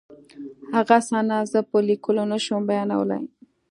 هغه صحنه زه په لیکلو نشم بیانولی